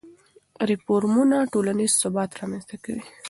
ریفورمونه ټولنیز ثبات رامنځته کوي.